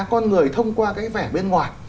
con người thông qua cái vẻ bên ngoài